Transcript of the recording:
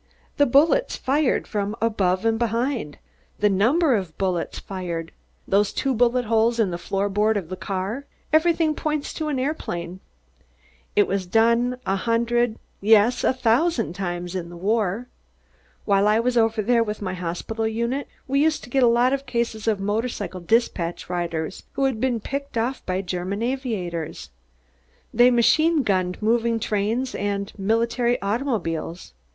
The bullets fired from above and behind. The number of bullets fired. Those two bullet holes in the foot board of the car everything points to an aeroplane. It was done a hundred, yes, a thousand times in the war. While I was over there with my hospital unit we used to get a lot of cases of motorcycle despatch riders who had been picked off by German aviators. They machine gunned moving trains and military automobiles.